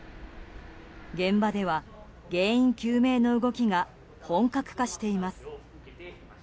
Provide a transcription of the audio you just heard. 現場では原因究明の動きが本格化しています。